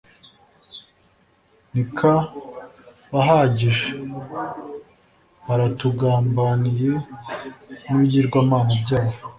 ntikabahagije; baratugambaniye n’ibigirwamana byabo